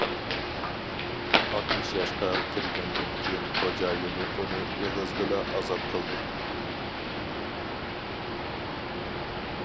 ئاتمىش ياشقا كىرگەندىن كېيىن خوجايىنى ئۇنى ئېغىزىدىلا ئازاد قىلدى.